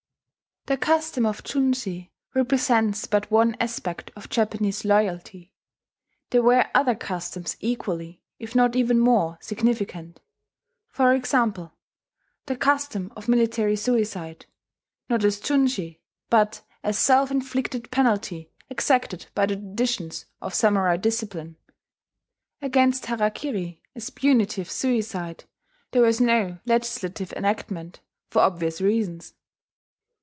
The custom of junshi represents but one aspect of Japanese loyalty: there were other customs equally, if not even more, significant, for example, the custom of military suicide, not as junshi, but as a self inflicted penalty exacted by the traditions of samurai discipline. Against harakiri, as punitive suicide, there was no legislative enactment, for obvious reasons.